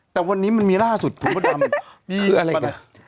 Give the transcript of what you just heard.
แต่วันนี้มันมีล่าสุดถูกหรือไม่ดำคืออะไรกัน